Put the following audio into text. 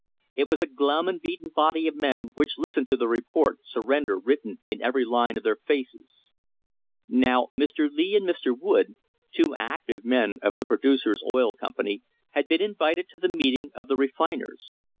It was a glum and beaten body of men which listened to the report, surrender written in every line of their faces. Now Mr. Lee and Mr. Wood, two active men of the Pro A MODERN WAR FOR INDEPENDENCE ducers Oil Company, had been invited to the meeting of the refiners.